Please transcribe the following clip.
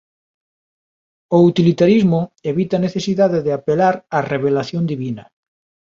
O utilitarismo evita a necesidade de apelar á revelación divina.